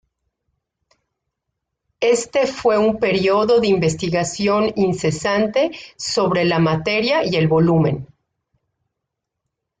Este fue un período de investigación incesante sobre la materia y el volumen.